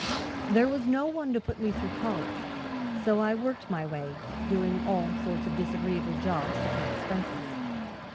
"There was no one to put me through college, so I worked my way doing all sorts of disagreeable jobs to pay expenses.